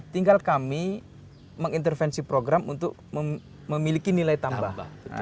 tinggal kami mengintervensi program untuk memiliki nilai tambah